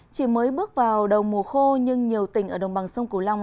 chỉ mới bước vào đầu mùa khô nhưng nhiều tỉnh ở đồng bằng sông cửu long